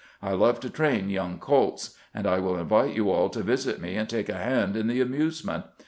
I love to train young colts, and I win invite you all to visit me and take a hand in the amusement.